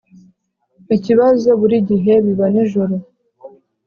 Ikibazo buri gihe biba nijoro